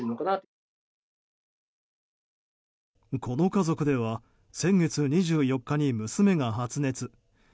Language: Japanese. この家族では先月２４日に娘が発熱。